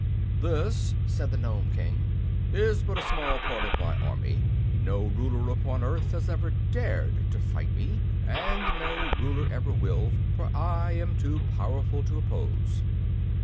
"This," said the Nome King, "is but a small part of my army. No ruler upon Earth has ever dared to fight me, and no ruler ever will, for I am too powerful to oppose."